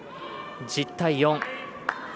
１０対４。